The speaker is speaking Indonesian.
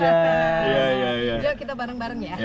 yuk kita bareng bareng ya